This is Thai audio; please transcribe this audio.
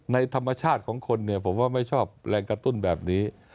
ในธรรมชาติของคนเนี่ยผมว่าไม่ชอบแรงกระตุ้นแบบนี้